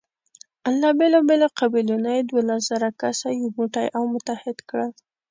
له بېلابېلو قبیلو نه یې دولس زره کسه یو موټی او متحد کړل.